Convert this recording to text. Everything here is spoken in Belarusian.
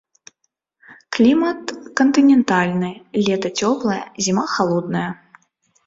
Клімат кантынентальны, лета цёплае, зіма халодная.